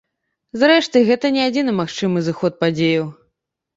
Зрэшты, гэта не адзіны магчымы зыход падзеяў.